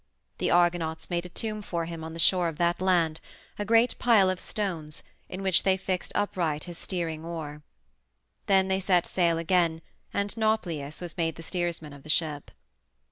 The Argonauts made a tomb for him on the shore of that land a great pile of stones, in which they fixed upright his steering oar. Then they set sail again, and Nauplius was made the steersman of the ship.